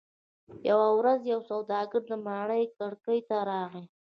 یوه ورځ یو سوداګر د ماڼۍ کړکۍ ته راغی.